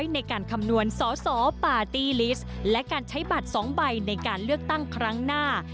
ในการคำนวณสอสอปาร์ตี้ลิสต์และการใช้บัตร๒ใบในการเลือกตั้งครั้งหน้า